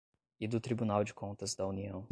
e do Tribunal de Contas da União;